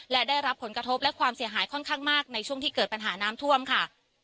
และได้รับผลกระทบและความเสียหายค่อนข้างมากในช่วงที่เกิดปัญหาน้ำท่วมค่ะ